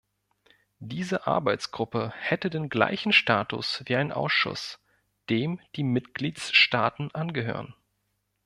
Diese Arbeitsgruppe hätte den gleichen Status wie ein Ausschuss, dem die Mitgliedsstaaten angehören.